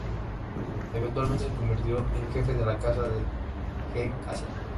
Eventualmente se convirtió en jefe de la Casa de Hesse-Kassel.